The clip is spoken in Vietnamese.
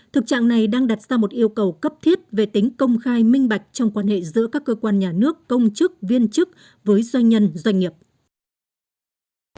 thực trạng này đang đặt ra một yêu cầu cấp thiết về tính công khai minh bạch trong quan hệ giữa các cơ quan nhà nước công chức viên chức với doanh nhân doanh nghiệp